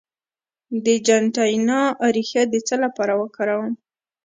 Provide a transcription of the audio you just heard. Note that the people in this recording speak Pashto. د جنتیانا ریښه د څه لپاره وکاروم؟